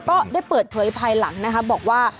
ก็ได้เปิดเผยภายหลังนะคะบอกว่า